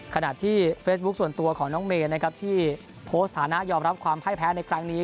ขณะที่เฟซบุ๊คส่วนตัวของน้องเมย์นะครับที่โพสต์ฐานะยอมรับความพ่ายแพ้ในครั้งนี้